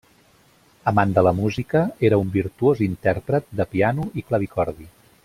Amant de la música, era un virtuós intèrpret de piano i clavicordi.